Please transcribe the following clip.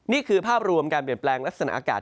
นี่คือภาพรวมการเปลี่ยนแปลงลักษณะอากาศ